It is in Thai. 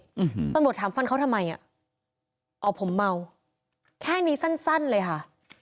อืมตำรวจถามฟันเขาทำไมอ่ะอ๋อผมเมาแค่นี้สั้นสั้นเลยค่ะ